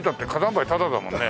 灰タダだもんね。